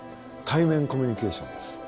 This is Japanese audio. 対面コミュニケーションです。